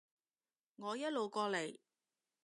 我一路過嚟